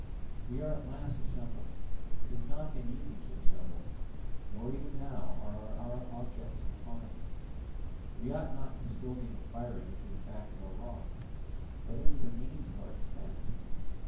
We are at last assembled. It has not been easy to assemble, nor even now are our objects defined. We ought not to be still inquiring into the fact of our wrongs, but into the means of our defence.